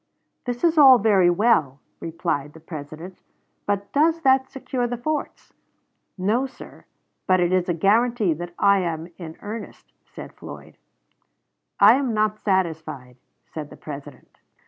"That is all very well," replied the President, "but does that secure the forts?" "No, sir; but it is a guaranty that I am in earnest," said Floyd. "I am not satisfied," said the President.